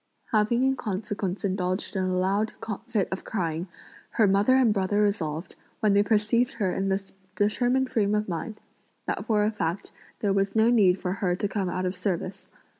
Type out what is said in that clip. Having in consequence indulged in a loud fit of crying, her mother and brother resolved, when they perceived her in this determined frame of mind, that for a fact there was no need for her to come out of service.